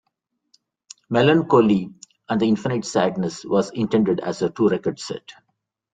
"Mellon Collie and the Infinite Sadness" was intended as a two-record set.